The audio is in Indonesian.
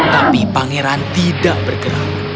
tapi pangeran tidak bergerak